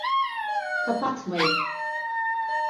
Kapatmayın.